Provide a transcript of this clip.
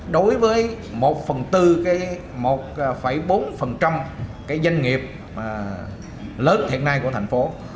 đối với một bốn doanh nghiệp lớn hiện nay của thành phố